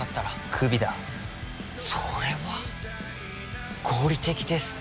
クビだそれは合理的ですね